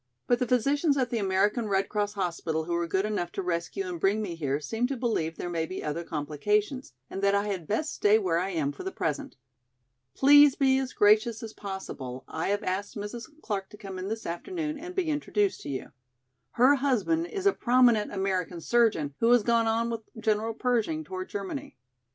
But the physicians at the American Red Cross hospital who were good enough to rescue and bring me here seem to believe there may be other complications and that I had best stay where I am for the present. Please be as gracious as possible, I have asked Mrs. Clark to come in this afternoon and be introduced to you. Her husband is a prominent American surgeon who has gone on with General Pershing toward Germany.